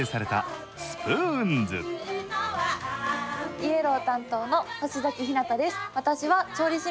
イエロー担当の星咲ひなたです。